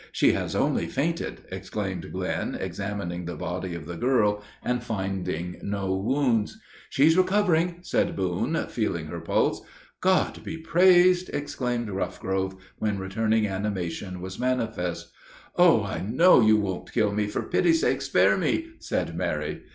"She has only fainted!" exclaimed Glenn, examining the body of the girl, and finding no wounds. "She's recovering!" said Boone, feeling her pulse. "God be praised!" exclaimed Roughgrove, when returning animation was manifest. "Oh, I know you won't kill me! for pity's sake, spare me!" said Mary.